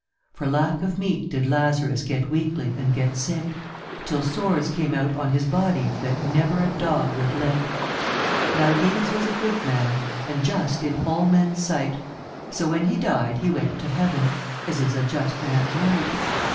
For lack of meat did Lazarus Get weakly and get sick, Till sores came out on his body That never a dog would lick. Now Dives was a good man And just in all men's sight ; So when he died he went to heaven As is a just man's right.